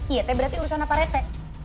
iya teh berarti urusan apa rete